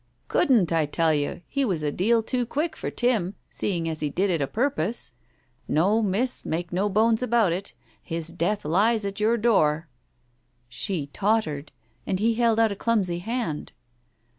"Couldn't, I tell you, he was a deal too quick for Tim, seeing as he did it o' purpose. No, Miss, make no bones about it, his death lies at your door." She tottered, and he held out a clumsy hand.